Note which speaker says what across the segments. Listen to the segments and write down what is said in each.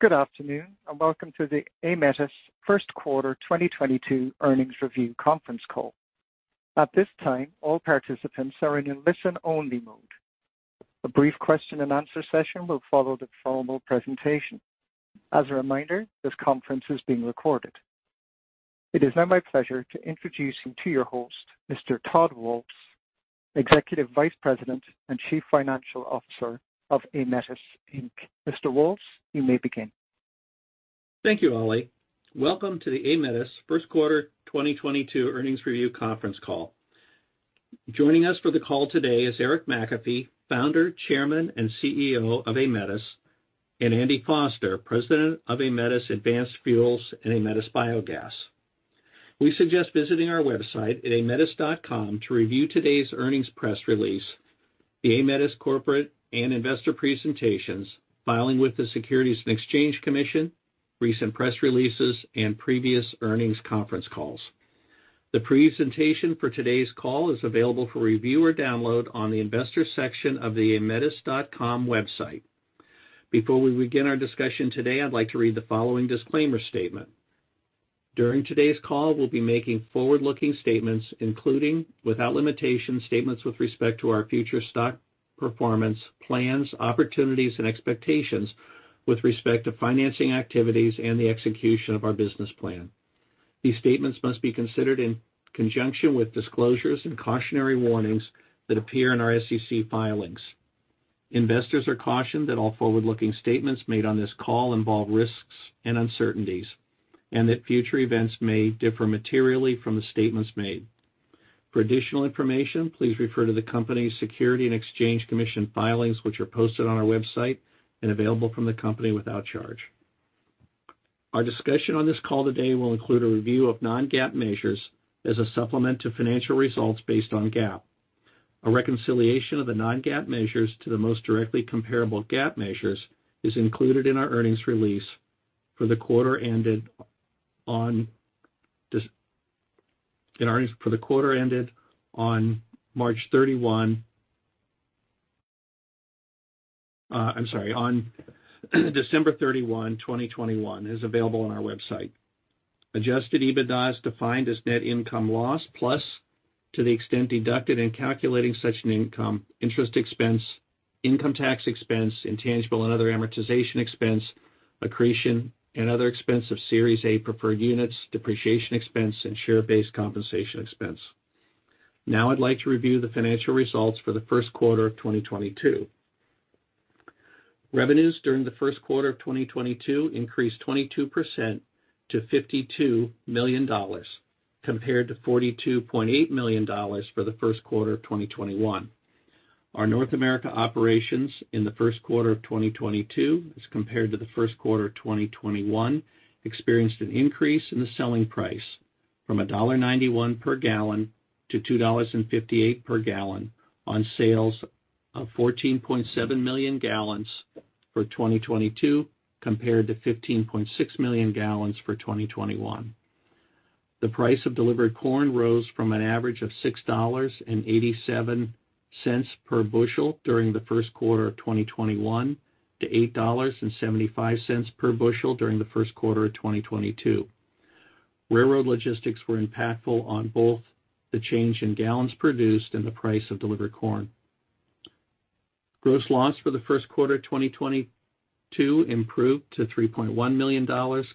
Speaker 1: Good afternoon, and welcome to the Aemetis Q1 2022 earnings review conference call. At this time, all participants are in listen-only mode. A brief question-and-answer session will follow the formal presentation. As a reminder, this conference is being recorded. It is now my pleasure to introduce you to your host, Mr. Todd Waltz, Executive Vice President and Chief Financial Officer of Aemetis Inc. Mr. Waltz, you may begin.
Speaker 2: Thank you, Ali. Welcome to the Aemetis Q1 2022 earnings review conference call. Joining us for the call today is Eric McAfee, Founder, Chairman, and CEO of Aemetis, and Andy Foster, President of Aemetis Advanced Fuels and Aemetis Biogas. We suggest visiting our website at aemetis.com to review today's earnings press release, the Aemetis corporate and investor presentations, filing with the Securities and Exchange Commission, recent press releases, and previous earnings conference calls. The presentation for today's call is available for review or download on the investor section of the aemetis.com website. Before we begin our discussion today, I'd like to read the following disclaimer statement. During today's call, we'll be making forward-looking statements, including, without limitation, statements with respect to our future stock performance, plans, opportunities, and expectations with respect to financing activities and the execution of our business plan. These statements must be considered in conjunction with disclosures and cautionary warnings that appear in our SEC filings. Investors are cautioned that all forward-looking statements made on this call involve risks and uncertainties, and that future events may differ materially from the statements made. For additional information, please refer to the company's Securities and Exchange Commission filings, which are posted on our website and available from the company without charge. Our discussion on this call today will include a review of non-GAAP measures as a supplement to financial results based on GAAP. A reconciliation of the non-GAAP measures to the most directly comparable GAAP measures is included in our earnings release for the quarter ended on December 31, 2021, is available on our website. Adjusted EBITDA is defined as net income loss plus, to the extent deducted in calculating such an income, interest expense, income tax expense, intangible and other amortization expense, accretion and other expense of Series A preferred units, depreciation expense and share-based compensation expense. I'd like to review the financial results for the Q1 of 2022. Revenues during the Q1 of 2022 increased 22% to $52 million, compared to $42.8 million for the Q1 of 2021. Our North America operations in the Q1 of 2022, as compared to the Q1 of 2021, experienced an increase in the selling price from $1.91 per gallon to $2.58 per gallon on sales of 14.7 million gallons for 2022, compared to 15.6 million gallons for 2021. The price of delivered corn rose from an average of $6.87 per bushel during the Q1 of 2021 to $8.75 per bushel during the Q1 of 2022. Railroad logistics were impactful on both the change in gallons produced and the price of delivered corn. Gross loss for the Q1 of 2022 improved to $3.1 million,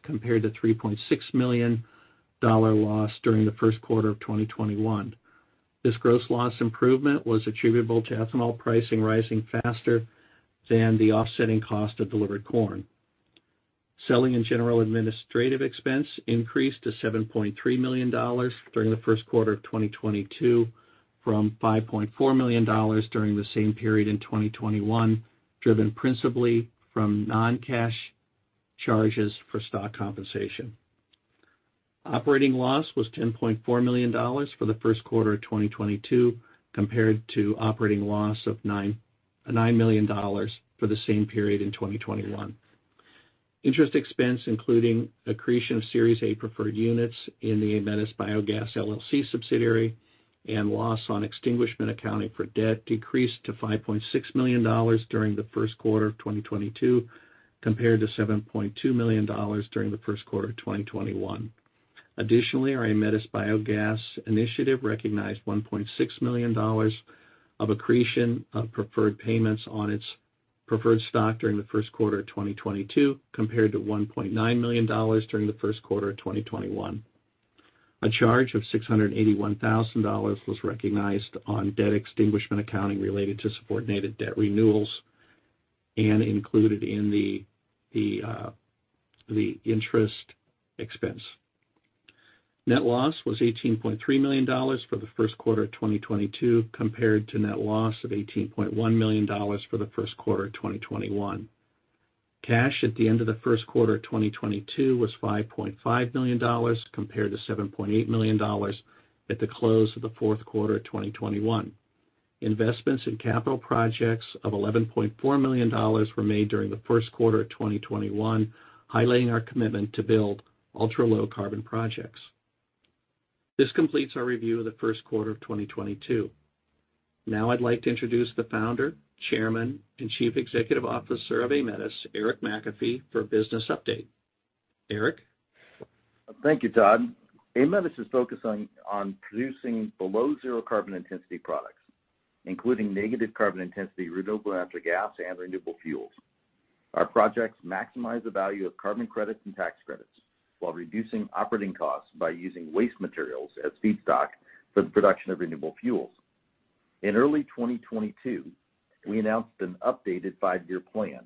Speaker 2: compared to $3.6 million dollar loss during theQ1 of 2021. This gross loss improvement was attributable to ethanol pricing rising faster than the offsetting cost of delivered corn. Selling and general administrative expense increased to $7.3 million during the Q1 of 2022 from $5.4 million during the same period in 2021, driven principally from non-cash charges for stock compensation. Operating loss was $10 .4 million for the Q1 of 2022, compared to operating loss of $9.9 million for the same period in 2021. Interest expense, including accretion of Series A preferred units in the Aemetis Biogas LLC subsidiary and loss on extinguishment accounting for debt, decreased to $5.6 million during the Q1 of 2022, compared to $7.2 million during the Q1 of 2021. Additionally, our Aemetis Biogas initiative recognized $1.6 million of accretion of preferred payments on its preferred stock during the Q1 of 2022, compared to $1.9 million during the Q1 of 2021. A charge of $681,000 was recognized on debt extinguishment accounting related to subordinated debt renewals and included in the interest expense. Net loss was $18.3 million for the Q1 of 2022, compared to net loss of $18.1 million for the Q1 of 2021. Cash at the end of the Q1 of 2022 was $5.5 million, compared to $7.8 million at the close of the Q4 of 2021. Investments in capital projects of $11.4 million were made during the Q1 of 2021, highlighting our commitment to build ultra-low carbon projects. This completes our review of the Q1 of 2022. Now I'd like to introduce the Founder, Chairman, and Chief Executive Officer of Aemetis, Eric McAfee, for a business update. Eric?
Speaker 3: Thank you, Todd. Aemetis is focused on producing below zero carbon intensity products, including negative carbon intensity, renewable natural gas, and renewable fuels. Our projects maximize the value of carbon credits and tax credits while reducing operating costs by using waste materials as feedstock for the production of renewable fuels. In early 2022, we announced an updated five-year plan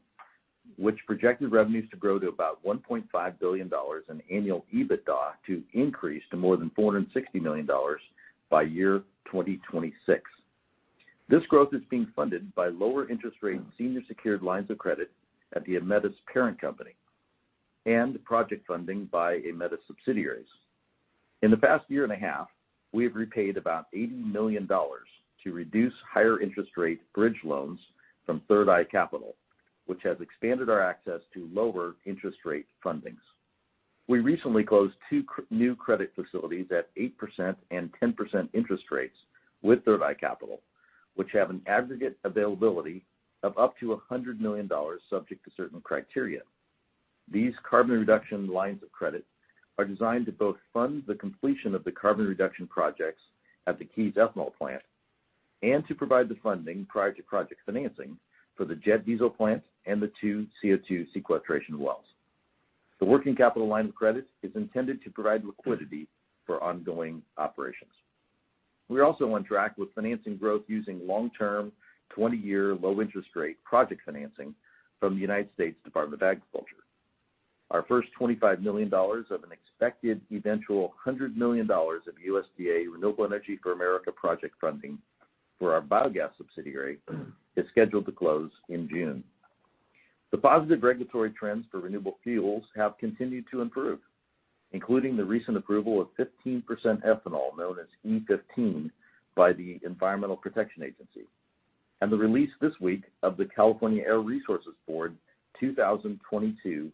Speaker 3: which projected revenues to grow to about $1.5 billion and annual EBITDA to increase to more than $460 million by year 2026. This growth is being funded by lower interest rate in senior secured lines of credit at the Aemetis parent company and project funding by Aemetis subsidiaries. In the past year and a half, we have repaid about $80 million to reduce higher interest rate bridge loans from Third Eye Capital, which has expanded our access to lower interest rate fundings. We recently closed two new credit facilities at 8% and 10% interest rates with Third Eye Capital, which have an aggregate availability of up to $100 million subject to certain criteria. These carbon reduction lines of credit are designed to both fund the completion of the carbon reduction projects at the Keyes Ethanol Plant and to provide the funding prior to project financing for the jet diesel plant and the two CO2 sequestration wells. The working capital line of credit is intended to provide liquidity for ongoing operations. We are also on track with financing growth using long-term, 20-year, low interest rate project financing from the United States Department of Agriculture. Our first $25 million of an expected eventual $100 million of USDA Rural Energy for America Program funding for our biogas subsidiary is scheduled to close in June. The positive regulatory trends for renewable fuels have continued to improve, including the recent approval of 15% ethanol, known as E15, by the Environmental Protection Agency, and the release this week of the California Air Resources Board 2022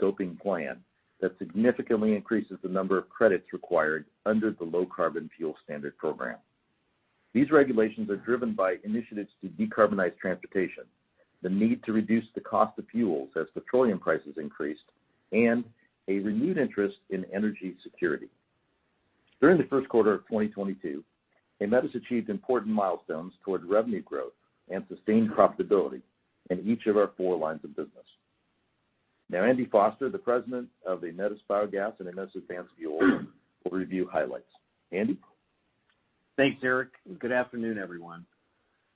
Speaker 3: scoping plan that significantly increases the number of credits required under the Low Carbon Fuel Standard program. These regulations are driven by initiatives to decarbonize transportation, the need to reduce the cost of fuels as petroleum prices increase, and a renewed interest in energy security. During the Q1 of 2022, Aemetis achieved important milestones toward revenue growth and sustained profitability in each of our four lines of business. Now, Andy Foster, the president of Aemetis Biogas and Aemetis Advanced Fuels, will review highlights. Andy?
Speaker 4: Thanks, Eric, and good afternoon, everyone.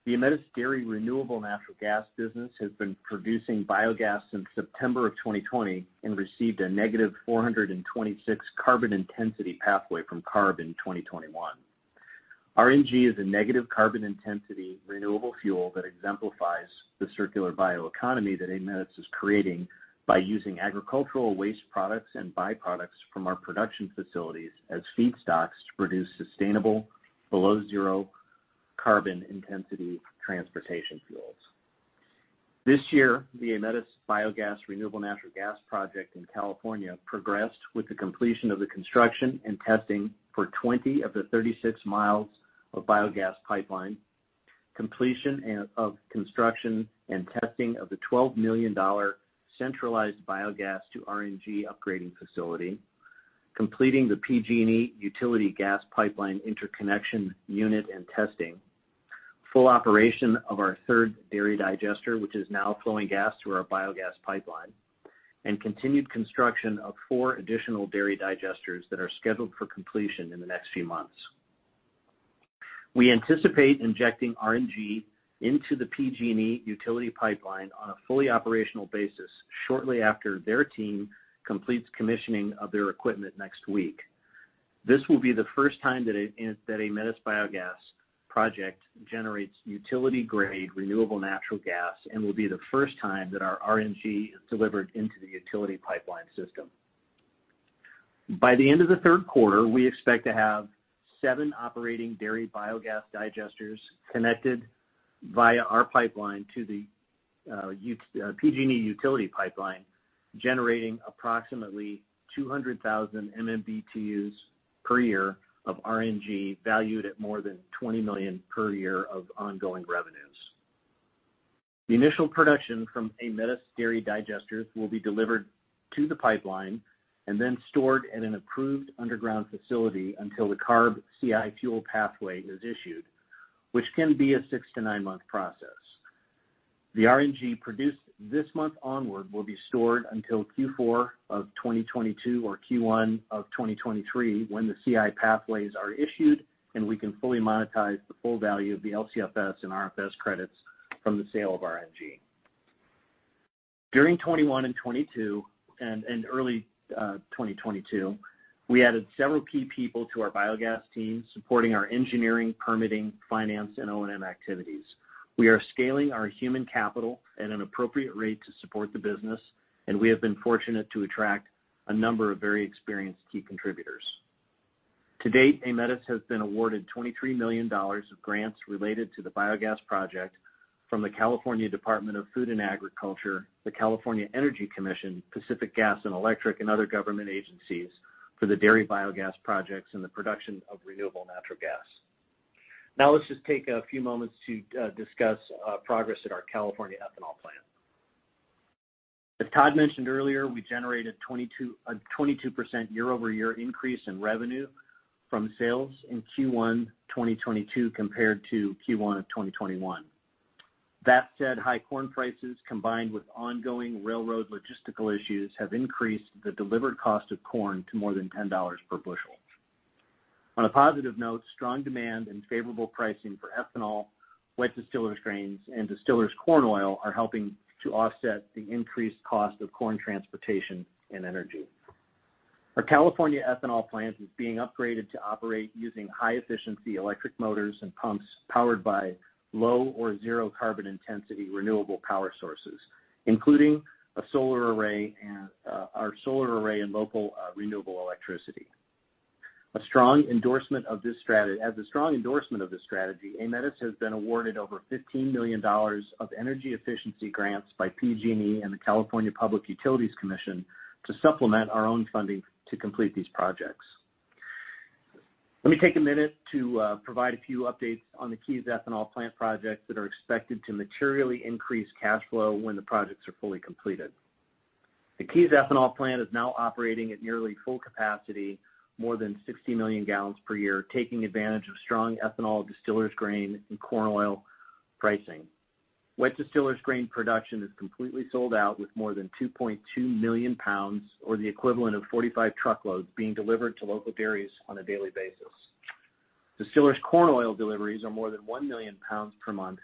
Speaker 4: The Aemetis Dairy Renewable Natural Gas business has been producing biogas since September of 2020 and received a -426 carbon intensity pathway from CARB in 2021. RNG is a negative carbon intensity renewable fuel that exemplifies the circular bioeconomy that Aemetis is creating by using agricultural waste products and byproducts from our production facilities as feedstocks to produce sustainable below zero carbon intensity transportation fuels. This year, the Aemetis Biogas Renewable Natural Gas project in California progressed with the completion of the construction and testing for 20 of the 36 miles of biogas pipeline. Completion of construction and testing of the $12 million centralized biogas to RNG upgrading facility. Completion of the PG&E utility gas pipeline interconnection unit and testing. Full operation of our third dairy digester, which is now flowing gas through our biogas pipeline. Continued construction of four additional dairy digesters that are scheduled for completion in the next few months. We anticipate injecting RNG into the PG&E utility pipeline on a fully operational basis shortly after their team completes commissioning of their equipment next week. This will be the first time that Aemetis Biogas project generates utility-grade renewable natural gas and will be the first time that our RNG is delivered into the utility pipeline system. By the end of the third quarter, we expect to have seven operating dairy biogas digesters connected via our pipeline to the PG&E utility pipeline, generating approximately 200,000 MMBtus per year of RNG, valued at more than $20 million per year of ongoing revenues. The initial production from Aemetis dairy digesters will be delivered to the pipeline and then stored at an approved underground facility until the CARB CI fuel pathway is issued, which can be a 6-to-9-month process. The RNG produced this month onward will be stored until Q4 of 2022 or Q1 of 2023 when the CI pathways are issued and we can fully monetize the full value of the LCFS and RFS credits from the sale of RNG. During 2021 and 2022, early 2022, we added several key people to our biogas team supporting our engineering, permitting, finance, and O&M activities. We are scaling our human capital at an appropriate rate to support the business, and we have been fortunate to attract a number of very experienced key contributors. To date, Aemetis has been awarded $23 million of grants related to the biogas project. From the California Department of Food and Agriculture, the California Energy Commission, Pacific Gas and Electric, and other government agencies for the dairy biogas projects and the production of renewable natural gas. Now let's just take a few moments to discuss progress at our California ethanol plant. As Todd mentioned earlier, we generated a 22% year-over-year increase in revenue from sales in Q1 2022 compared to Q1 of 2021. That said, high corn prices combined with ongoing railroad logistical issues have increased the delivered cost of corn to more than $10 per bushel. On a positive note, strong demand and favorable pricing for ethanol, wet distillers grains, and distillers corn oil are helping to offset the increased cost of corn transportation and energy. Our California ethanol plant is being upgraded to operate using high-efficiency electric motors and pumps powered by low or zero carbon intensity renewable power sources, including a solar array and local renewable electricity. As a strong endorsement of this strategy, Aemetis has been awarded over $15 million of energy efficiency grants by PG&E and the California Public Utilities Commission to supplement our own funding to complete these projects. Let me take a minute to provide a few updates on the Keyes Ethanol Plant projects that are expected to materially increase cash flow when the projects are fully completed. The Keyes Ethanol Plant is now operating at nearly full capacity, more than 60 million gallons per year, taking advantage of strong ethanol distillers grain and corn oil pricing. Wet distillers grains production is completely sold out with more than 2.2 million pounds, or the equivalent of 45 truckloads being delivered to local dairies on a daily basis. Distillers corn oil deliveries are more than 1 million pounds per month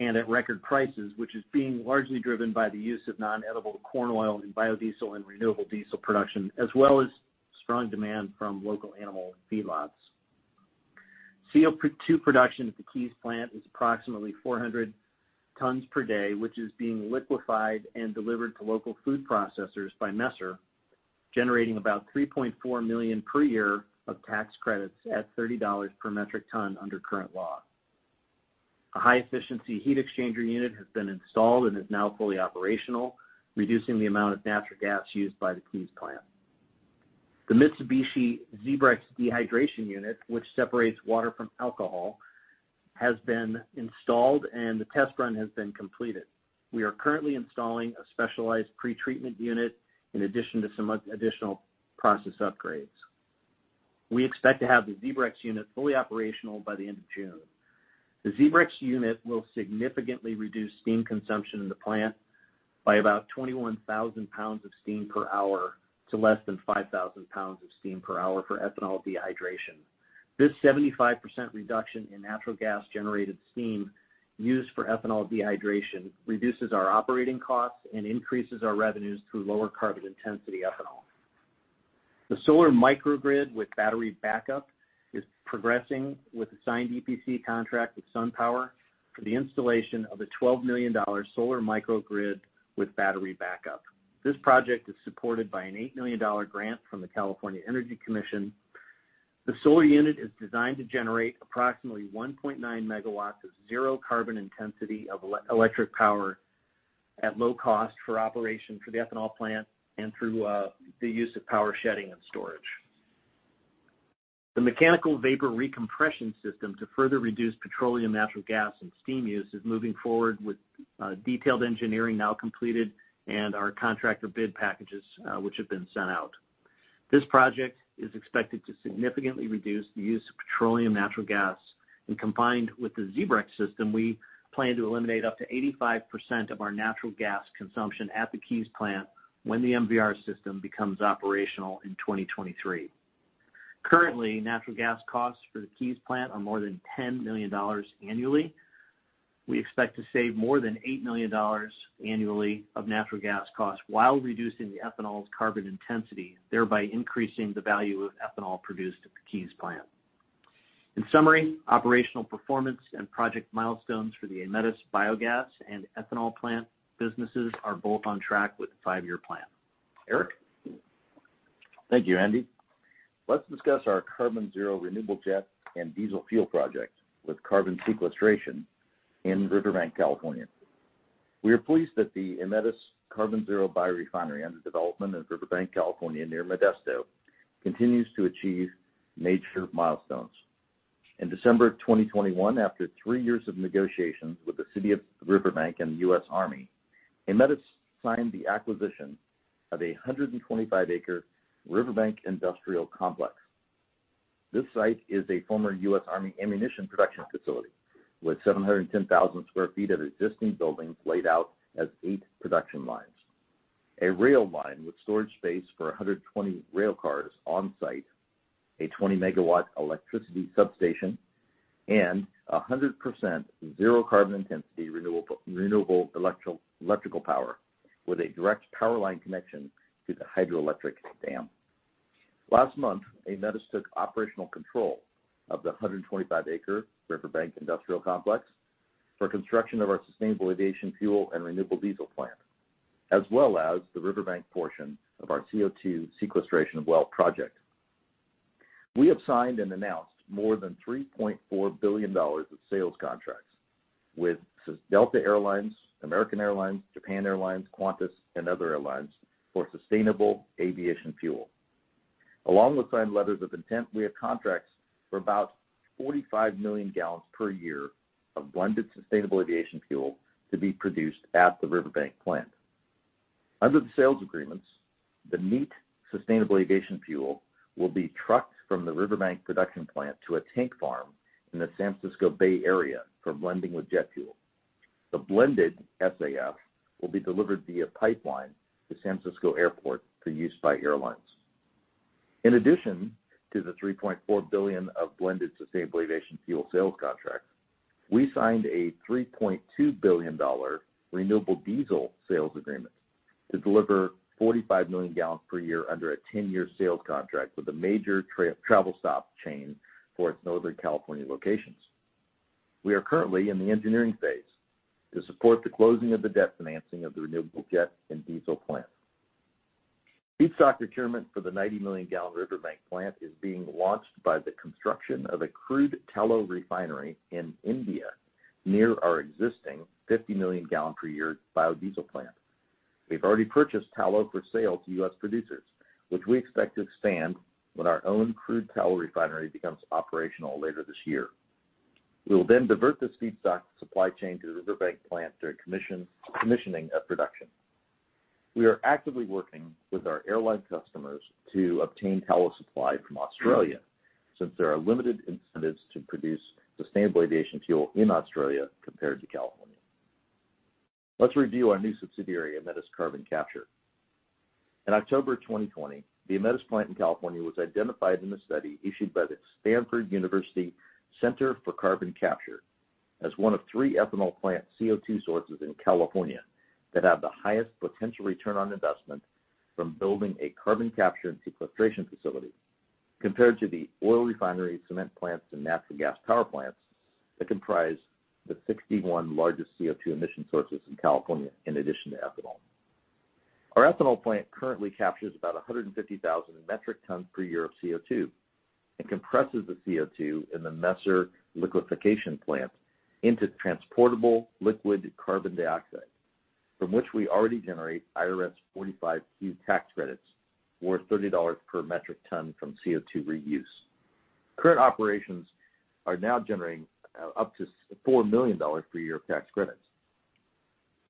Speaker 4: and at record prices, which is being largely driven by the use of non-edible corn oil in biodiesel and renewable diesel production, as well as strong demand from local animal feedlots. CO2 production at the Keyes plant is approximately 400 tons per day, which is being liquefied and delivered to local food processors by Messer, generating about $3.4 million per year of tax credits at $30 per metric ton under current law. A high-efficiency heat exchanger unit has been installed and is now fully operational, reducing the amount of natural gas used by the Keyes plant. The Mitsubishi ZEBREX™ dehydration unit, which separates water from alcohol, has been installed and the test run has been completed. We are currently installing a specialized pretreatment unit in addition to some additional process upgrades. We expect to have the ZEBREX™ unit fully operational by the end of June. The ZEBREX™ unit will significantly reduce steam consumption in the plant by about 21,000 pounds of steam per hour to less than 5,000 pounds of steam per hour for ethanol dehydration. This 75% reduction in natural gas-generated steam used for ethanol dehydration reduces our operating costs and increases our revenues through lower carbon intensity ethanol. The solar microgrid with battery backup is progressing with a signed EPC contract with SunPower for the installation of a $12 million solar microgrid with battery backup. This project is supported by an $8 million grant from the California Energy Commission. The solar unit is designed to generate approximately 1.9 megawatts of zero carbon intensity electric power at low cost for operation for the ethanol plant and through the use of power shedding and storage. The mechanical vapor recompression system to further reduce petroleum, natural gas, and steam use is moving forward with detailed engineering now completed and our contractor bid packages which have been sent out. This project is expected to significantly reduce the use of petroleum, natural gas, and combined with the ZEBREX™ system, we plan to eliminate up to 85% of our natural gas consumption at the Keyes plant when the MVR system becomes operational in 2023. Currently, natural gas costs for the Keyes plant are more than $10 million annually. We expect to save more than $8 million annually of natural gas costs while reducing the ethanol's carbon intensity, thereby increasing the value of ethanol produced at the Keyes plant. In summary, operational performance and project milestones for the Aemetis Biogas and Ethanol plant businesses are both on track with the five-year plan. Eric?
Speaker 3: Thank you, Andy. Let's discuss our Aemetis Carbon Zero renewable jet and diesel fuel project with carbon sequestration in Riverbank, California. We are pleased that the Aemetis Carbon Zero biorefinery under development in Riverbank, California, near Modesto, continues to achieve major milestones. In December 2021, after 3 years of negotiations with the city of Riverbank and the U.S. Army, Aemetis signed the acquisition of a 125-acre Riverbank industrial complex. This site is a former U.S. Army ammunition production facility with 710,000 sq ft of existing buildings laid out as 8 production lines, a rail line with storage space for 120 rail cars on site, a 20-megawatt electricity substation, and 100% zero carbon intensity renewable electric power with a direct power line connection to the hydroelectric dam. Last month, Aemetis took operational control of the 125-acre Riverbank industrial complex for construction of our sustainable aviation fuel and renewable diesel plant, as well as the Riverbank portion of our CO2 sequestration well project. We have signed and announced more than $3.4 billion of sales contracts with Delta Air Lines, American Airlines, Japan Airlines, Qantas, and other airlines for sustainable aviation fuel. Along with signed letters of intent, we have contracts for about 45 million gallons per year of blended sustainable aviation fuel to be produced at the Riverbank plant. Under the sales agreements, the neat sustainable aviation fuel will be trucked from the Riverbank production plant to a tank farm in the San Francisco Bay Area for blending with jet fuel. The blended SAF will be delivered via pipeline to San Francisco Airport for use by airlines. In addition to the $3.4 billion of blended sustainable aviation fuel sales contracts, we signed a $3.2 billion renewable diesel sales agreement to deliver 45 million gallons per year under a 10-year sales contract with a major travel stop chain for its Northern California locations. We are currently in the engineering phase to support the closing of the debt financing of the renewable jet and diesel plant. Feedstock procurement for the 90-million gallon Riverbank plant is being launched by the construction of a crude tallow refinery in India, near our existing 50-million gallon per year biodiesel plant. We've already purchased tallow for sale to U.S. producers, which we expect to expand when our own crude tallow refinery becomes operational later this year. We will then divert this feedstock supply chain to the Riverbank plant during commissioning of production. We are actively working with our airline customers to obtain tallow supply from Australia, since there are limited incentives to produce sustainable aviation fuel in Australia compared to California. Let's review our new subsidiary, Aemetis Carbon Capture. In October 2020, the Aemetis plant in California was identified in a study issued by the Stanford University Center for Carbon Storage as one of three ethanol plant CO2 sources in California that have the highest potential return on investment from building a carbon capture and sequestration facility compared to the oil refineries, cement plants, and natural gas power plants that comprise the 61 largest CO2 emission sources in California, in addition to ethanol. Our ethanol plant currently captures about 150,000 metric tons per year of CO2 and compresses the CO2 in the Messer liquefaction plant into transportable liquid carbon dioxide, from which we already generate IRS 45Q tax credits worth $30 per metric ton from CO2 reuse. Current operations are now generating up to $4 million per year of tax credits.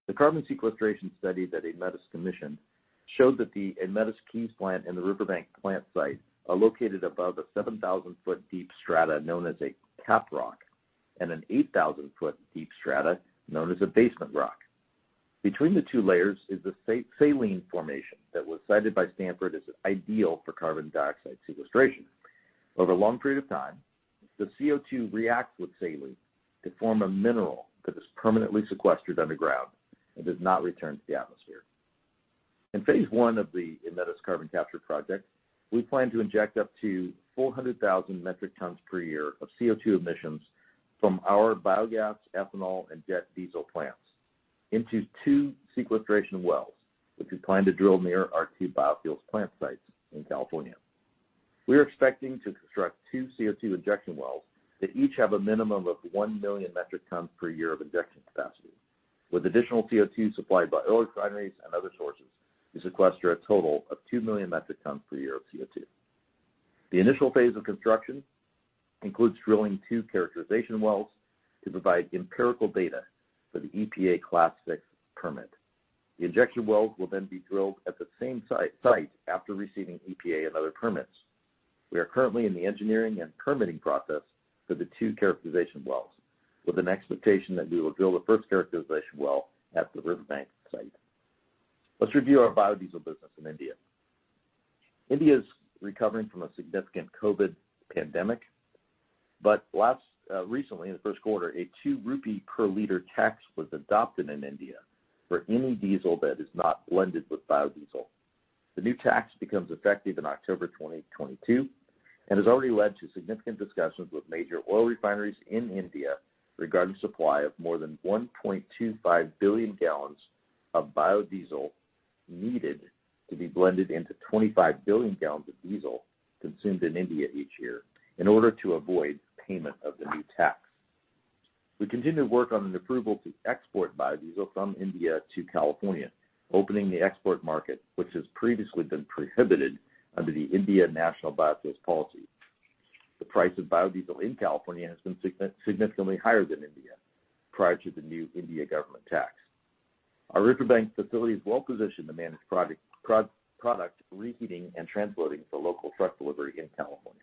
Speaker 3: The carbon sequestration study that Aemetis commissioned showed that the Aemetis Keyes plant and the Riverbank plant site are located above a 7,000-foot deep strata known as a cap rock and an 8,000-foot deep strata known as a basement rock. Between the two layers is a saline formation that was cited by Stanford as ideal for carbon dioxide sequestration. Over a long period of time, the CO2 reacts with saline to form a mineral that is permanently sequestered underground and does not return to the atmosphere. In phase one of the Aemetis Carbon Capture project, we plan to inject up to 400,000 metric tons per year of CO2 emissions from our biogas, ethanol, and jet diesel plants into two sequestration wells, which we plan to drill near our two biofuels plant sites in California. We are expecting to construct two CO2 injection wells that each have a minimum of 1,000,000 metric tons per year of injection capacity, with additional CO2 supplied by oil refineries and other sources to sequester a total of 2,000,000 metric tons per year of CO2. The initial phase of construction includes drilling two characterization wells to provide empirical data for the EPA Class VI permit. The injection wells will then be drilled at the same site after receiving EPA and other permits. We are currently in the engineering and permitting process for the two characterization wells, with an expectation that we will drill the first characterization well at the Riverbank site. Let's review our biodiesel business in India. India is recovering from a significant COVID pandemic, but recently in the Q1, an 2 rupee per liter tax was adopted in India for any diesel that is not blended with biodiesel. The new tax becomes effective in October 2022 and has already led to significant discussions with major oil refineries in India regarding supply of more than 1.25 billion gallons of biodiesel needed to be blended into 25 billion gallons of diesel consumed in India each year in order to avoid payment of the new tax. We continue to work on an approval to export biodiesel from India to California, opening the export market, which has previously been prohibited under the National Policy on Biofuels. The price of biodiesel in California has been significantly higher than India prior to the new India government tax. Our Riverbank facility is well positioned to manage product reheating and transloading for local truck delivery in California.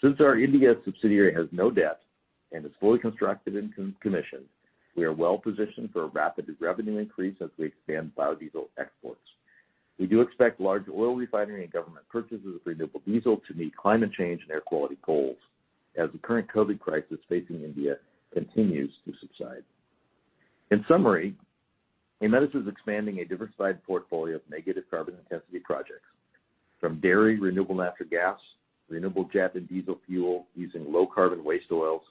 Speaker 3: Since our India subsidiary has no debt and is fully constructed and commissioned, we are well positioned for a rapid revenue increase as we expand biodiesel exports. We do expect large oil refinery and government purchases of renewable diesel to meet climate change and air quality goals as the current COVID crisis facing India continues to subside. In summary, Aemetis is expanding a diversified portfolio of negative carbon intensity projects, from dairy renewable natural gas, renewable jet and diesel fuel using low carbon waste oils,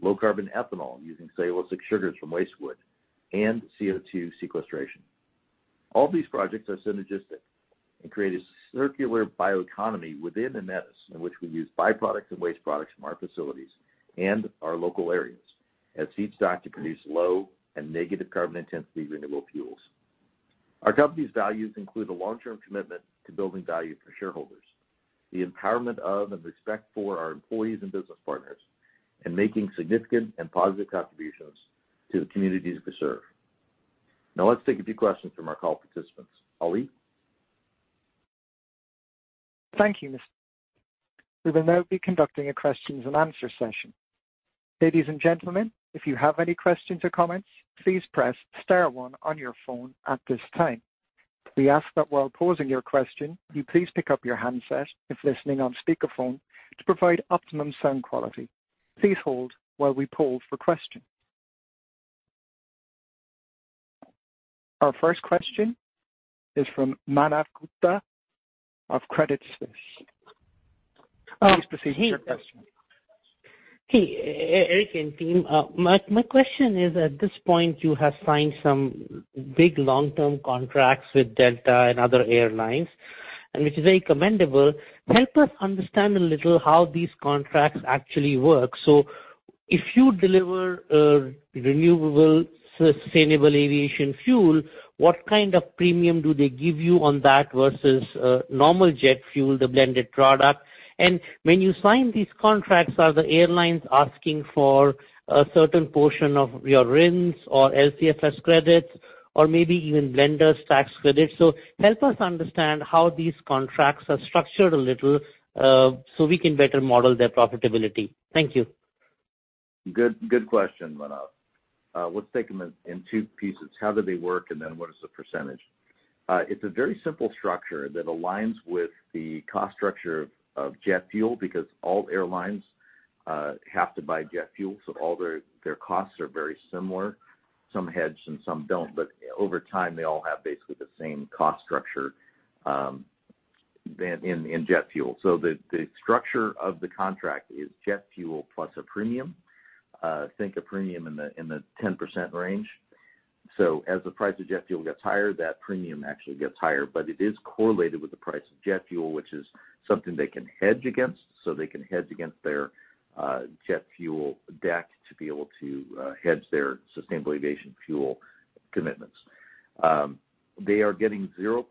Speaker 3: low carbon ethanol using cellulosic sugars from waste wood, and CO2 sequestration. All these projects are synergistic and create a circular bioeconomy within Aemetis, in which we use byproducts and waste products from our facilities and our local areas as feedstock to produce low and negative carbon intensity renewable fuels. Our company's values include a long-term commitment to building value for shareholders, the empowerment of and respect for our employees and business partners, and making significant and positive contributions to the communities we serve. Now let's take a few questions from our call participants. Ali?
Speaker 1: Thank you. [inaudible] We will now be conducting a question and answer session. Ladies and gentlemen, if you have any questions or comments, please press star one on your phone at this time. We ask that while posing your question, you please pick up your handset if listening on speakerphone to provide optimum sound quality. Please hold while we poll for questions. Our first question is from Manav Gupta of Credit Suisse. Please proceed with your question.
Speaker 5: Hey, Eric and team. My question is, at this point, you have signed some big long-term contracts with Delta and other airlines, and which is very commendable. Help us understand a little how these contracts actually work. If you deliver renewable sustainable aviation fuel, what kind of premium do they give you on that versus normal jet fuel, the blended product? And when you sign these contracts, are the airlines asking for a certain portion of your RINs or LCFS credits or maybe even blender's tax credits? Help us understand how these contracts are structured a little, so we can better model their profitability. Thank you.
Speaker 3: Good question, Manav. Let's take them in two pieces, how do they work and then what is the percentage? It's a very simple structure that aligns with the cost structure of jet fuel because all airlines have to buy jet fuel, so all their costs are very similar. Some hedge and some don't. Over time, they all have basically the same cost structure than in jet fuel. The structure of the contract is jet fuel plus a premium, think a premium in the 10% range. As the price of jet fuel gets higher, that premium actually gets higher. It is correlated with the price of jet fuel, which is something they can hedge against, so they can hedge against their jet fuel debt to be able to hedge their sustainable aviation fuel commitments. They are getting 0%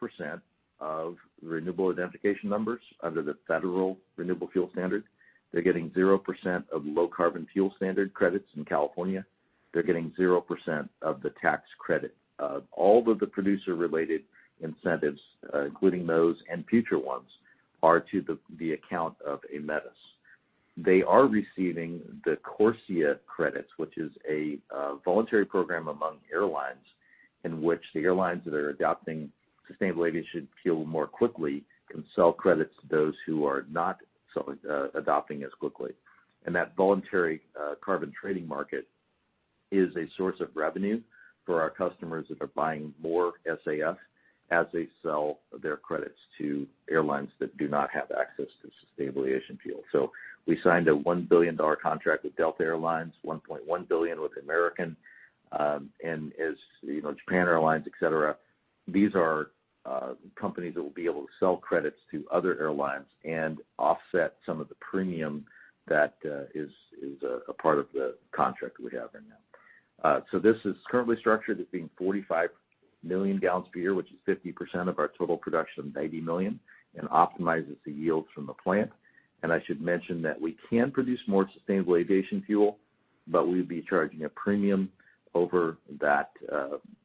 Speaker 3: of renewable identification numbers under the Federal Renewable Fuel Standard. They're getting 0% of low carbon fuel standard credits in California. They're getting 0% of the tax credit. All of the producer-related incentives, including those and future ones, are to the account of Aemetis. They are receiving the CORSIA credits, which is a voluntary program among airlines in which the airlines that are adopting sustainable aviation fuel more quickly can sell credits to those who are not so adopting as quickly. That voluntary carbon trading market is a source of revenue for our customers that are buying more SAF as they sell their credits to airlines that do not have access to sustainable aviation fuel. We signed a $1 billion contract with Delta Air Lines, $1.1 billion with American Airlines, and as you know, Japan Airlines, et cetera. These are companies that will be able to sell credits to other airlines and offset some of the premium that is a part of the contract we have in them. This is currently structured as being 45 million gallons per year, which is 50% of our total production of 80 million and optimizes the yields from the plant. I should mention that we can produce more sustainable aviation fuel, but we'd be charging a premium over that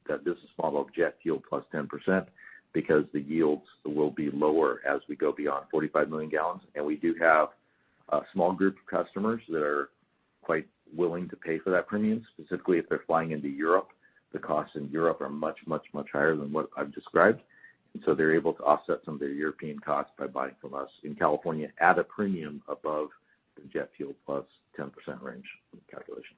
Speaker 3: business model of jet fuel plus 10% because the yields will be lower as we go beyond 45 million gallons. We do have a small group of customers that are quite willing to pay for that premium, specifically if they're flying into Europe. The costs in Europe are much, much, much higher than what I've described, and so they're able to offset some of their European costs by buying from us in California at a premium above the jet fuel plus 10% range calculation.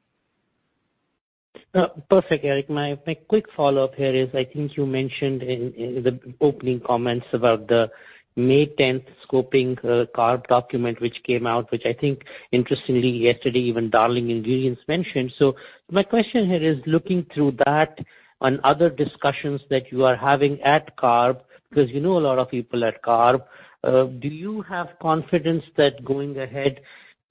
Speaker 5: Perfect, Eric. My quick follow-up here is, I think you mentioned in the opening comments about the May tenth scoping CARB document, which came out, which I think interestingly yesterday even Darling Ingredients mentioned. My question here is, looking through that on other discussions that you are having at CARB, because you know a lot of people at CARB, do you have confidence that going ahead,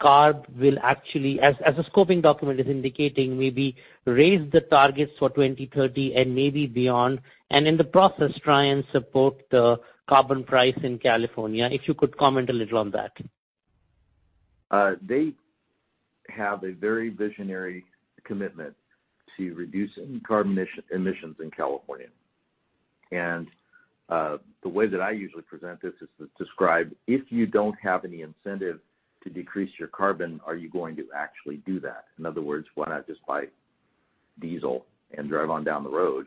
Speaker 5: CARB will actually, as the scoping document is indicating, maybe raise the targets for 2030 and maybe beyond, and in the process, try and support the carbon price in California? If you could comment a little on that.
Speaker 3: They have a very visionary commitment to reducing carbon emissions in California. The way that I usually present this is to describe if you don't have any incentive to decrease your carbon, are you going to actually do that? In other words, why not just buy diesel and drive on down the road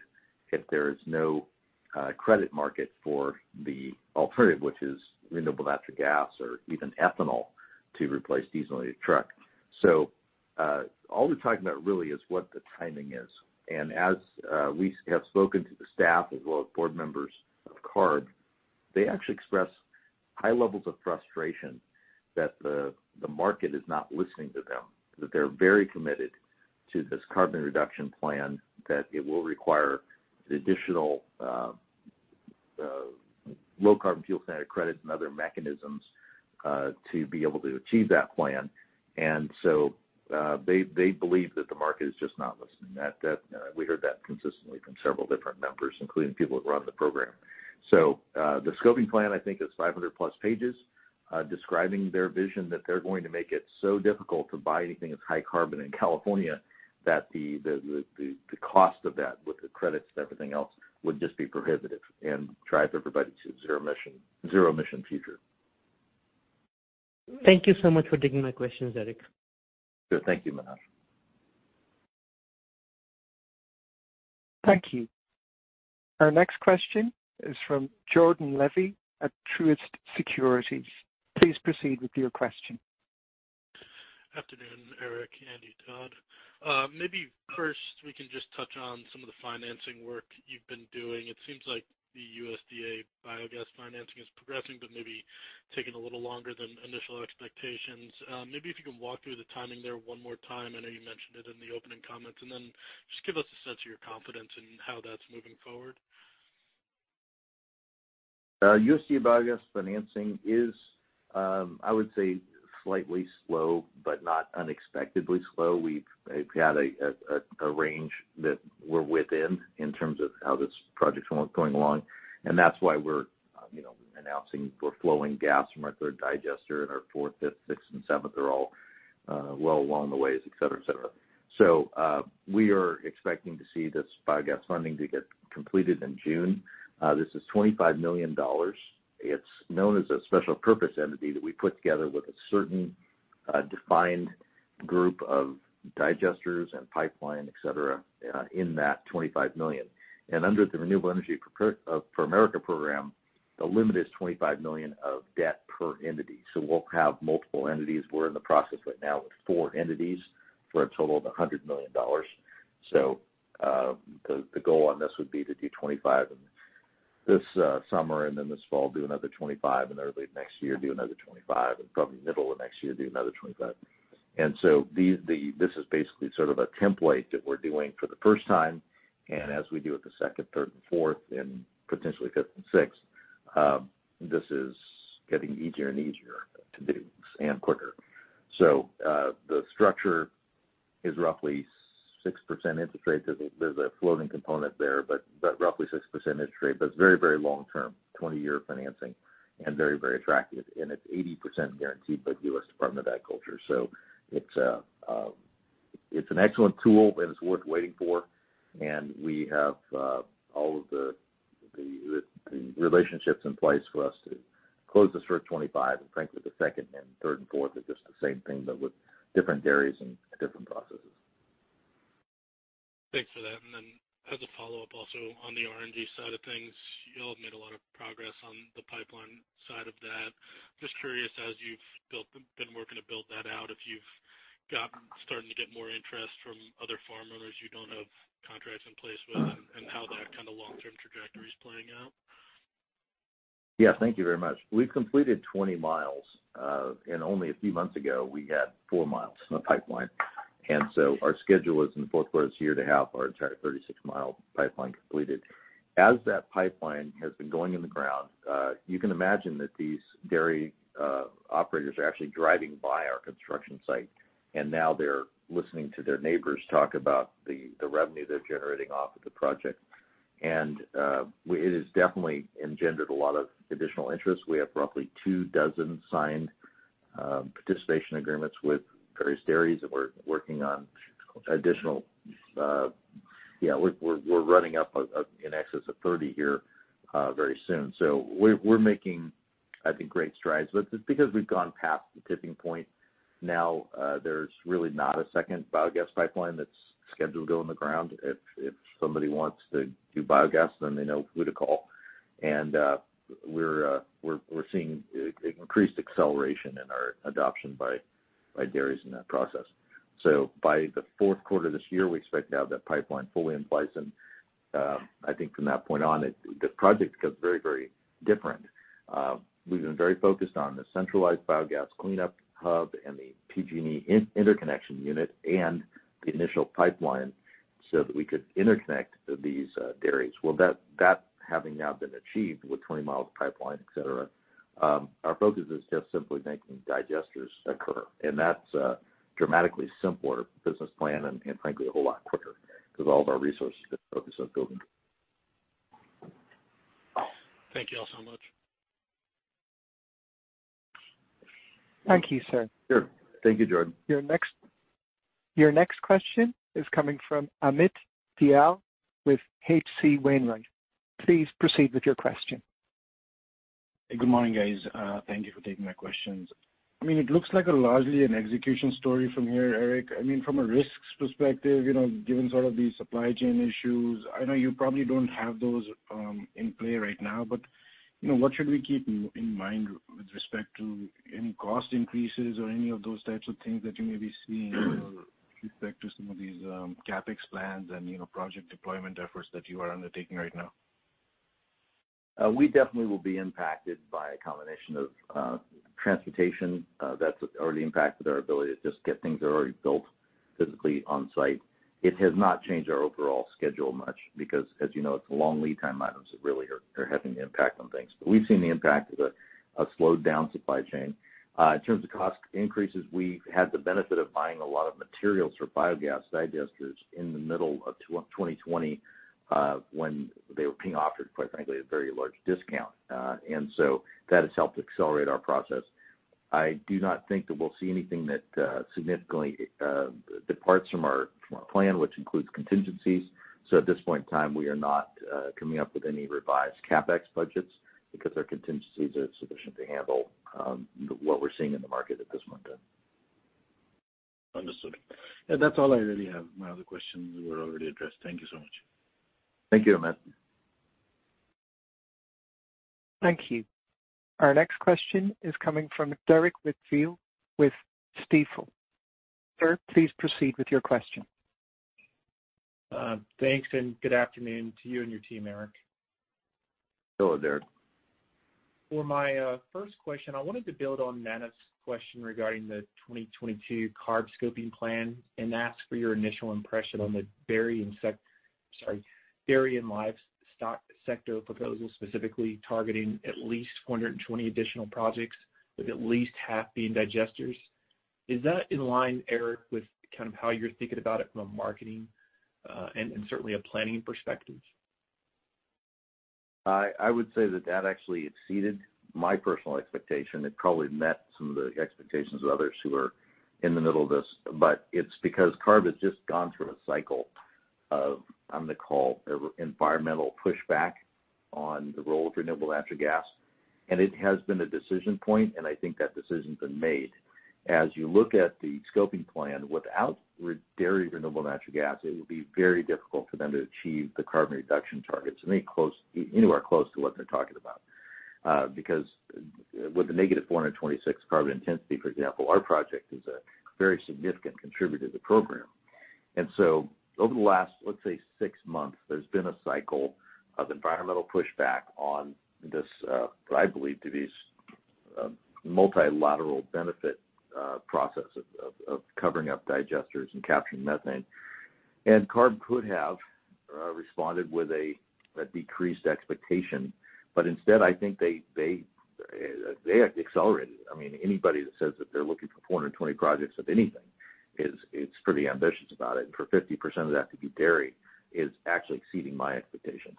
Speaker 3: if there's no credit market for the alternative, which is renewable natural gas or even ethanol to replace diesel in a truck. All we're talking about really is what the timing is. We have spoken to the staff as well as board members of CARB. They actually express high levels of frustration that the market is not listening to them, that they're very committed to this carbon reduction plan, that it will require additional Low Carbon Fuel Standard credits and other mechanisms to be able to achieve that plan. They believe that the market is just not listening. We heard that consistently from several different members, including people that run the program. The scoping plan, I think, is 500+ pages describing their vision that they're going to make it so difficult to buy anything that's high carbon in California that the cost of that with the credits and everything else would just be prohibitive and drives everybody to zero emission future.
Speaker 5: Thank you so much for taking my questions, Eric.
Speaker 3: Sure thing. Thank you, Manav Gupta.
Speaker 1: Thank you. Our next question is from Jordan Levy at Truist Securities. Please proceed with your question.
Speaker 6: Afternoon, Eric, Andy, Todd. Maybe first, we can just touch on some of the financing work you've been doing. It seems like the USDA biogas financing is progressing but maybe taking a little longer than initial expectations. Maybe if you can walk through the timing there one more time. I know you mentioned it in the opening comments. Then just give us a sense of your confidence in how that's moving forward.
Speaker 3: USDA biogas financing is slightly slow, but not unexpectedly slow. We've had a range that we're within in terms of how this project's going along, and that's why we're, you know, announcing we're flowing gas from our third digester, and our fourth, fifth, sixth, and seventh are all well along the ways. We are expecting to see this biogas funding to get completed in June. This is $25 million. It's known as a special purpose entity that we put together with a certain defined group of digesters and pipeline in that $25 million. Under the Rural Energy for America Program, the limit is $25 million of debt per entity. We'll have multiple entities. We're in the process right now with four entities for a total of $100 million. The goal on this would be to do 25 in this summer, and then this fall, do another 25, and early next year, do another 25, and probably middle of next year, do another 25. This is basically sort of a template that we're doing for the first time, and as we do it the second, third, and fourth, and potentially fifth and sixth, this is getting easier and easier to do and quicker. The structure is roughly 6% interest rate. There's a floating component there, but roughly 6% interest rate, but it's very, very long term, 20-year financing and very, very attractive. It's 80% guaranteed by the U.S. Department of Agriculture. It's an excellent tool, and it's worth waiting for. We have all of the relationships in place for us to close this for $25. Frankly, the second and third and fourth is just the same thing, but with different dairies and different processes.
Speaker 6: Thanks for that. As a follow-up also on the RNG side of things, y'all have made a lot of progress on the pipeline side of that. Just curious, as you've been working to build that out, if you've starting to get more interest from other farm owners you don't have contracts in place with and how that kind of long-term trajectory is playing out.
Speaker 3: Yeah. Thank you very much. We've completed 20 miles, and only a few months ago, we had 4 miles in the pipeline. Our schedule is in the Q4 this year to have our entire 36-mile pipeline completed. As that pipeline has been going in the ground, you can imagine that these dairy operators are actually driving by our construction site, and now they're listening to their neighbors talk about the revenue they're generating off of the project. It has definitely engendered a lot of additional interest. We have roughly two dozen signed participation agreements with various dairies that we're working on additional. We're running up in excess of 30 here very soon. We're making, I think, great strides. It's because we've gone past the tipping point now. There's really not a second biogas pipeline that's scheduled to go in the ground. If somebody wants to do biogas, then they know who to call. We're seeing increased acceleration in our adoption by dairies in that process. By the Q4 this year, we expect to have that pipeline fully in place. I think from that point on, the project becomes very, very different. We've been very focused on the centralized biogas cleanup hub and the PG&E interconnection unit and the initial pipeline so that we could interconnect these dairies. Well, that having now been achieved with 20 miles of pipeline, et cetera, our focus is just simply making digesters occur. That's a dramatically simpler business plan and frankly a whole lot quicker because all of our resources get focused on building.
Speaker 6: Thank you all so much.
Speaker 1: Thank you, sir.
Speaker 3: Sure. Thank you, Jordan.
Speaker 1: Your next question is coming from Amit Dayal with H.C. Wainwright & Co. Please proceed with your question.
Speaker 7: Good morning, guys. Thank you for taking my questions. I mean, it looks like largely an execution story from here, Eric. I mean, from a risks perspective, you know, given sort of these supply chain issues, I know you probably don't have those in play right now, but, you know, what should we keep in mind with respect to any cost increases or any of those types of things that you may be seeing or With respect to some of these, CapEx plans and, you know, project deployment efforts that you are undertaking right now?
Speaker 3: We definitely will be impacted by a combination of transportation that's already impacted our ability to just get things that are already built physically on site. It has not changed our overall schedule much because as you know, it's the long lead time items that really are having the impact on things. We've seen the impact of a slowed down supply chain. In terms of cost increases, we had the benefit of buying a lot of materials for biogas digesters in the middle of 2020 when they were being offered, quite frankly, at a very large discount. That has helped accelerate our process. I do not think that we'll see anything that significantly departs from our plan, which includes contingencies. At this point in time, we are not coming up with any revised CapEx budgets because our contingencies are sufficient to handle what we're seeing in the market at this moment in time.
Speaker 7: Understood. Yeah, that's all I really have. My other questions were already addressed. Thank you so much.
Speaker 3: Thank you, Amit.
Speaker 1: Thank you. Our next question is coming from Derrick Whitfield with Stifel. Sir, please proceed with your question.
Speaker 8: Thanks and good afternoon to you and your team, Eric.
Speaker 3: Hello, Derrick.
Speaker 8: For my first question, I wanted to build on Manav's question regarding the 2022 CARB scoping plan and ask for your initial impression on the dairy and livestock sector proposal, specifically targeting at least 420 additional projects, with at least half being digesters. Is that in line, Eric, with kind of how you're thinking about it from a marketing and certainly a planning perspective?
Speaker 3: I would say that actually exceeded my personal expectation. It probably met some of the expectations of others who are in the middle of this, but it's because CARB has just gone through a cycle of, I'm gonna call, environmental pushback on the role of renewable natural gas. It has been a decision point, and I think that decision's been made. As you look at the scoping plan, without dairy renewable natural gas, it would be very difficult for them to achieve the carbon reduction targets anywhere close to what they're talking about. Because with a negative 426 carbon intensity, for example, our project is a very significant contributor to the program. Over the last, let's say six months, there's been a cycle of environmental pushback on this, what I believe to be multilateral benefit, process of covering up digesters and capturing methane. CARB could have responded with a decreased expectation. Instead, I think they accelerated it. I mean, anybody that says that they're looking for 420 projects of anything is pretty ambitious about it. For 50% of that to be dairy is actually exceeding my expectations.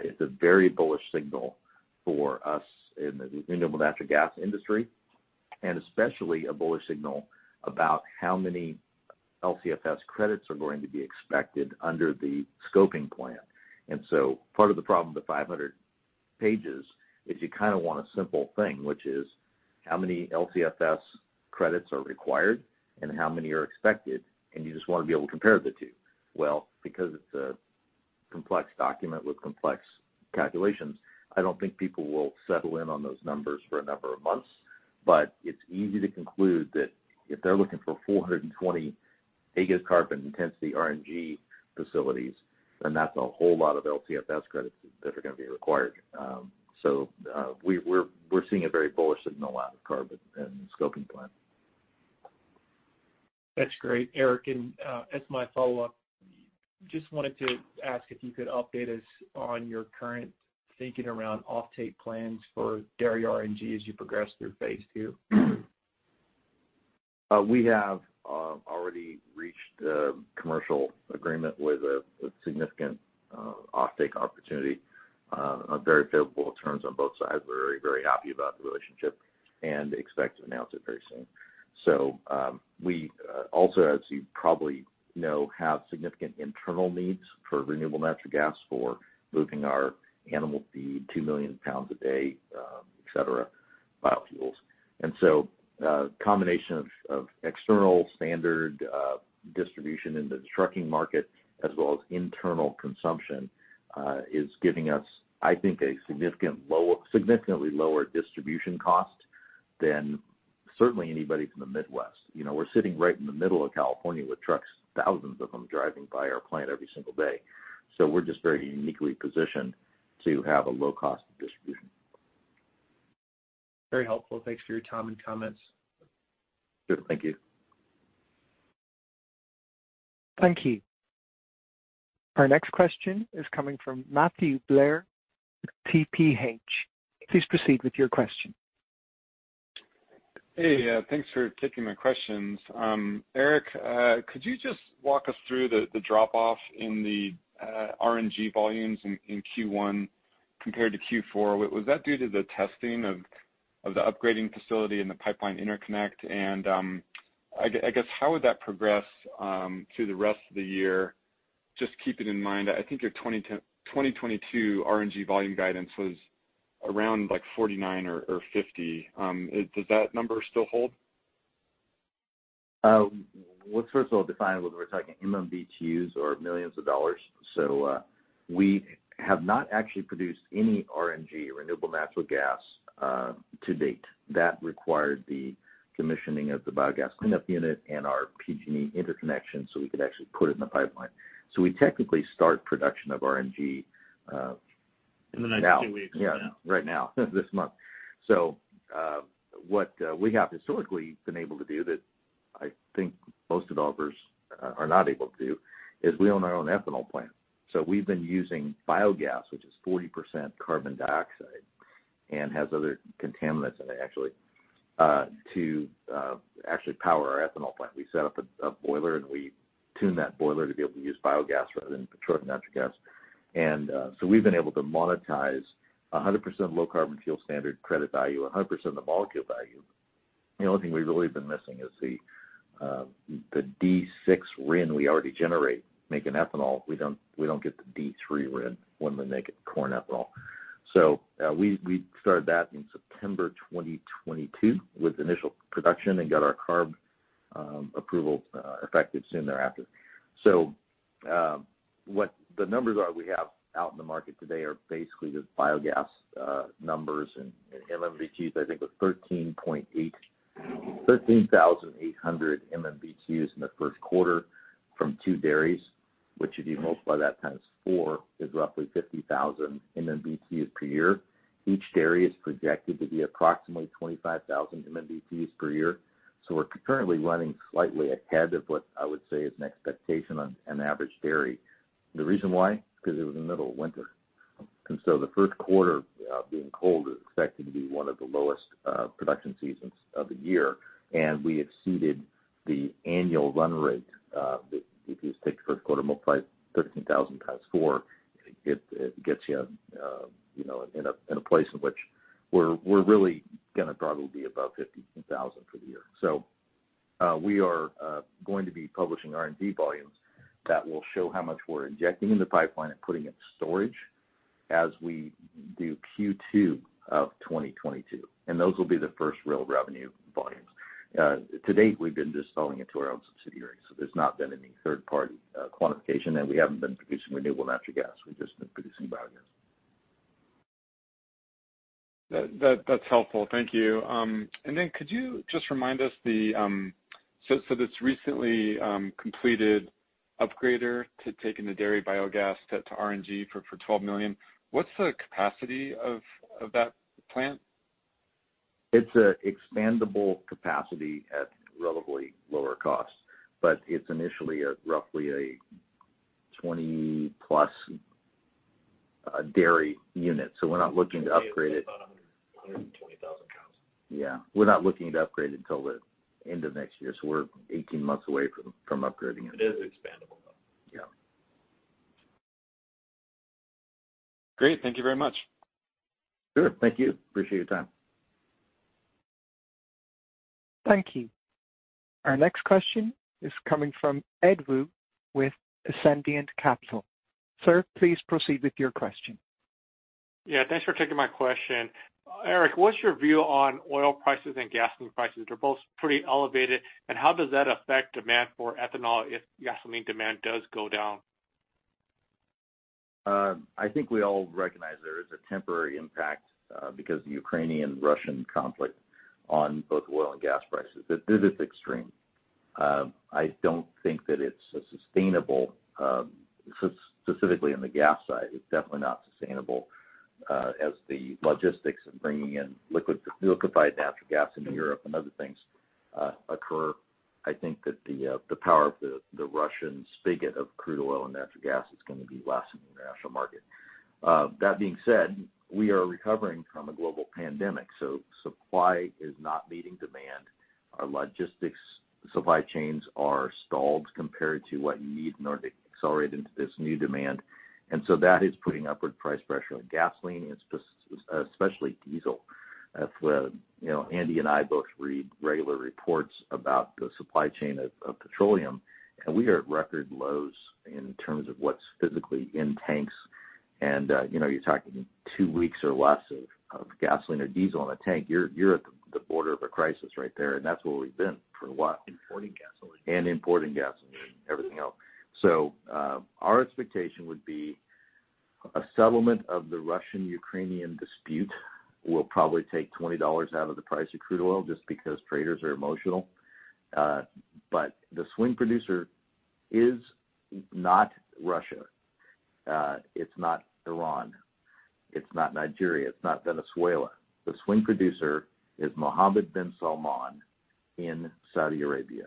Speaker 3: It's a very bullish signal for us in the renewable natural gas industry, and especially a bullish signal about how many LCFS credits are going to be expected under the scoping plan. Part of the problem with the 500 pages is you kind of want a simple thing, which is how many LCFS credits are required and how many are expected, and you just want to be able to compare the two. Well, because it's a complex document with complex calculations, I don't think people will settle in on those numbers for a number of months. It's easy to conclude that if they're looking for 420 mega carbon intensity RNG facilities, then that's a whole lot of LCFS credits that are going to be required. We're seeing a very bullish signal out of CARB and the scoping plan.
Speaker 8: That's great, Eric. As my follow-up, just wanted to ask if you could update us on your current thinking around offtake plans for dairy RNG as you progress through phase two.
Speaker 3: We have already reached a commercial agreement with a significant offtake opportunity on very favorable terms on both sides. We're very, very happy about the relationship and expect to announce it very soon. We also, as you probably know, have significant internal needs for renewable natural gas for moving our animal feed 2 million pounds a day, et cetera, biofuels. Combination of external standard distribution in the trucking market as well as internal consumption is giving us, I think, a significantly lower distribution cost than certainly anybody from the Midwest. You know, we're sitting right in the middle of California with trucks, thousands of them driving by our plant every single day. We're just very uniquely positioned to have a low cost of distribution.
Speaker 8: Very helpful. Thanks for your time and comments.
Speaker 3: Sure. Thank you.
Speaker 1: Thank you. Our next question is coming from Matthew Blair with TPH. Please proceed with your question.
Speaker 9: Hey, thanks for taking my questions. Eric, could you just walk us through the drop off in the RNG volumes in Q1 compared to Q4? Was that due to the testing of the upgrading facility and the pipeline interconnect? I guess, how would that progress through the rest of the year? Just keeping in mind, I think your 2022 RNG volume guidance was around like 49 or 50. Does that number still hold?
Speaker 3: Let's first of all define whether we're talking MMBtus or millions of dollars. We have not actually produced any RNG, renewable natural gas, to date. That required the commissioning of the biogas cleanup unit and our PG&E interconnection, so we could actually put it in the pipeline. We technically start production of RNG now.
Speaker 9: In the next two weeks.
Speaker 3: Yeah. Right now, this month. What we have historically been able to do that I think most developers are not able to do is we own our own ethanol plant. We've been using biogas, which is 40% carbon dioxide and has other contaminants in it actually, to actually power our ethanol plant. We set up a boiler, and we tune that boiler to be able to use biogas rather than petroleum natural gas. We've been able to monetize 100% Low Carbon Fuel Standard credit value, 100% of the molecule value. The only thing we've really been missing is the D6 RIN we already generate making ethanol. We don't get the D3 RIN when we're making corn ethanol. We started that in September 2022 with initial production and got our CARB approval effective soon thereafter. What the numbers are we have out in the market today are basically the biogas numbers and MMBtus. I think the 13,800 MMBtus in the Q1 from two dairies, which if you multiply that times four is roughly 50,000 MMBtus per year. Each dairy is projected to be approximately 25,000 MMBtus per year. We're currently running slightly ahead of what I would say is an expectation on an average dairy. The reason why, because it was in the middle of winter. The Q1 being cold is expected to be one of the lowest production seasons of the year, and we exceeded the annual run rate that if you take the Q1 multiply 13,000 times four, it gets you know, in a place in which we're really gonna probably be above 52,000 for the year. We are going to be publishing RNG volumes that will show how much we're injecting in the pipeline and putting it in storage as we do Q2 of 2022. Those will be the first real revenue volumes. To date, we've been just selling it to our own subsidiaries. There's not been any third party quantification, and we haven't been producing renewable natural gas. We've just been producing biogas.
Speaker 9: That's helpful. Thank you. Then could you just remind us... This recently completed upgrader to taking the dairy biogas to RNG for 12 million, what's the capacity of that plant?
Speaker 3: It's an expandable capacity at relatively lower cost. It's initially a roughly 20-plus dairy unit. We're not looking to upgrade it.
Speaker 9: About 120,000 cows.
Speaker 3: Yeah. We're not looking to upgrade until the end of next year, so we're 18 months away from upgrading it.
Speaker 9: It is expandable, though.
Speaker 3: Yeah.
Speaker 9: Great. Thank you very much.
Speaker 3: Sure. Thank you. Appreciate your time.
Speaker 1: Thank you. Our next question is coming from Edward Woo with Ascendiant Capital. Sir, please proceed with your question.
Speaker 10: Yeah, thanks for taking my question. Eric, what's your view on oil prices and gasoline prices? They're both pretty elevated, and how does that affect demand for ethanol if gasoline demand does go down?
Speaker 3: I think we all recognize there is a temporary impact because the Ukrainian-Russian conflict on both oil and gas prices. This is extreme. I don't think that it's a sustainable, specifically on the gas side, it's definitely not sustainable, as the logistics of bringing in liquefied natural gas into Europe and other things, occur. I think that the power of the Russian spigot of crude oil and natural gas is gonna be less in the international market. That being said, we are recovering from a global pandemic, so supply is not meeting demand. Our logistics supply chains are stalled compared to what you need in order to accelerate into this new demand. That is putting upward price pressure on gasoline, especially diesel. You know, Andy and I both read regular reports about the supply chain of petroleum, and we are at record lows in terms of what's physically in tanks. You know, you're talking two weeks or less of gasoline or diesel in a tank. You're at the border of a crisis right there, and that's where we've been for a while.
Speaker 9: Importing gasoline.
Speaker 3: Importing gasoline and everything else. Our expectation would be a settlement of the Russian-Ukrainian dispute will probably take $20 out of the price of crude oil just because traders are emotional. The swing producer is not Russia. It's not Iran. It's not Nigeria. It's not Venezuela. The swing producer is Mohammed bin Salman in Saudi Arabia.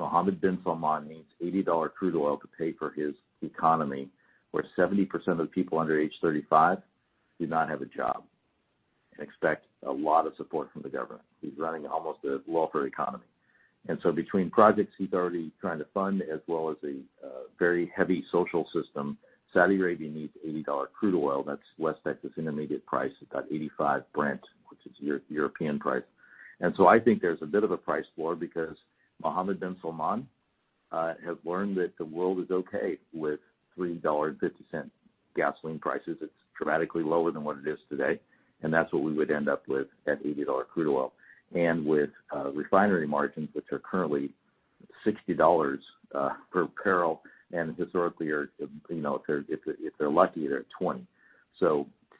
Speaker 3: Mohammed bin Salman needs $80 crude oil to pay for his economy, where 70% of the people under age 35 do not have a job and expect a lot of support from the government. He's running almost a welfare economy. Between projects he's already trying to fund as well as a very heavy social system, Saudi Arabia needs $80 crude oil. That's West Texas Intermediate price. It's about $85 Brent, which is European price. I think there's a bit of a price floor because Mohammed bin Salman has learned that the world is okay with $3.50 gasoline prices. It's dramatically lower than what it is today, and that's what we would end up with at $80 crude oil. With refinery margins, which are currently $60 per barrel and historically are, you know, if they're lucky, they're at 20.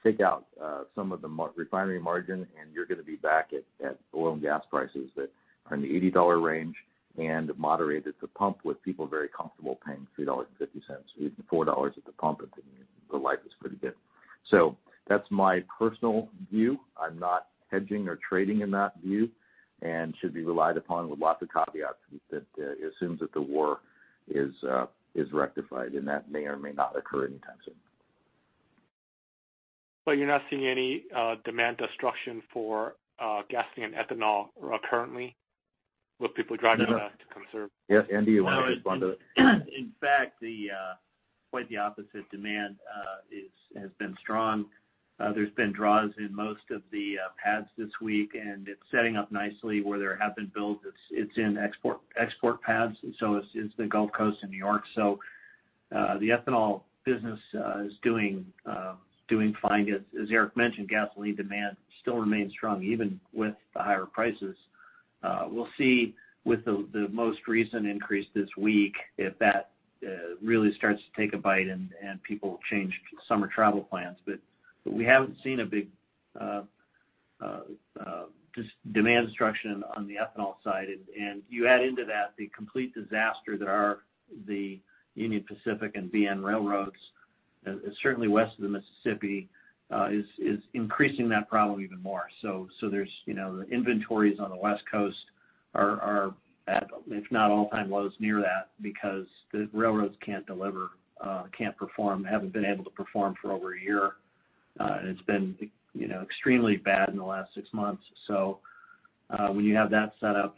Speaker 3: Take out some of the refinery margin, and you're gonna be back at oil and gas prices that are in the $80 range and moderated to pump with people very comfortable paying $3.50, even $4 at the pump and thinking that life is pretty good. That's my personal view. I'm not hedging or trading in that view and should be relied upon with lots of caveats that assumes that the war is rectified, and that may or may not occur anytime soon.
Speaker 10: You're not seeing any demand destruction for gasoline and ethanol currently with people driving less to conserve?
Speaker 3: Yeah. Andy, you wanna respond to it?
Speaker 4: No. In fact, quite the opposite. Demand has been strong. There's been draws in most of the PADDs this week, and it's setting up nicely where there have been builds. It's in export paths, and so it's the Gulf Coast and New York. The ethanol business is doing fine. As Eric mentioned, gasoline demand still remains strong even with the higher prices. We'll see with the most recent increase this week if that really starts to take a bite and people change summer travel plans. We haven't seen a big just demand destruction on the ethanol side. You add into that the complete disaster that are the Union Pacific and BNSF railroads certainly west of the Mississippi is increasing that problem even more. There's you know the inventories on the West Coast are at if not all-time lows near that because the railroads can't deliver can't perform haven't been able to perform for over a year. And it's been you know extremely bad in the last six months. When you have that set up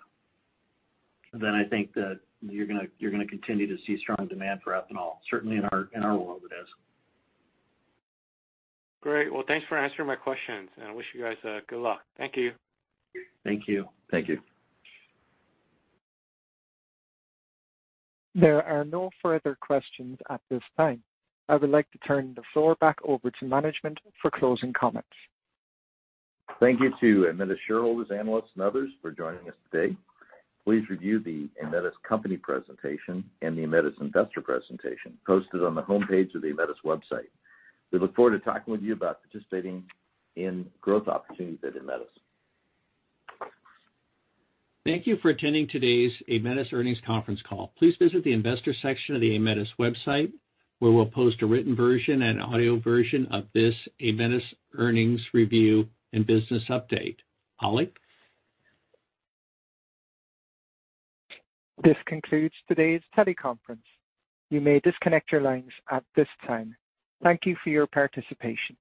Speaker 4: then I think that you're gonna continue to see strong demand for ethanol. Certainly in our world it is.
Speaker 10: Great. Well, thanks for answering my questions, and I wish you guys good luck. Thank you.
Speaker 4: Thank you.
Speaker 3: Thank you.
Speaker 1: There are no further questions at this time. I would like to turn the floor back over to management for closing comments.
Speaker 3: Thank you to Aemetis shareholders, analysts and others for joining us today. Please review the Aemetis company presentation and the Aemetis investor presentation posted on the homepage of the Aemetis website. We look forward to talking with you about participating in growth opportunities at Aemetis.
Speaker 4: Thank you for attending today's Aemetis earnings conference call. Please visit the investor section of the Aemetis website, where we'll post a written version and audio version of this Aemetis earnings review and business update. Alec?
Speaker 1: This concludes today's teleconference. You may disconnect your lines at this time. Thank you for your participation.